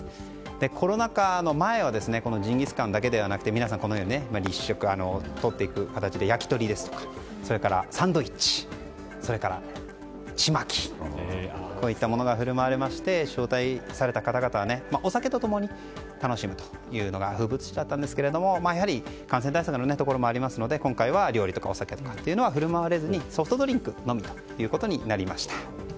コロナ禍の前はジンギスカンだけではなくて皆さん、立食取っていく形で焼き鳥ですとかサンドイッチそれから、ちまきこういったものが振る舞われまして招待された方々はお酒と共に楽しむというのが風物詩だったんですが、やはり感染対策のところもありますので今回は料理とかお酒は振る舞われずにソフトドリンクのみということになりました。